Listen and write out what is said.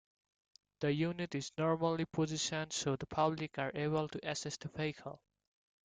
The unit is normally positioned so the public are able to access the vehicle.